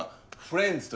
フレンズ？